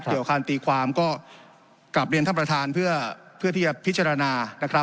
เกี่ยวการตีความก็กลับเรียนท่านประธานเพื่อที่จะพิจารณานะครับ